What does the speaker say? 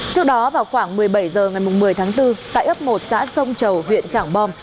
trước đó vào khoảng một mươi bảy h ngày một mươi tháng bốn tại ấp một xã sông chầu huyện trảng bom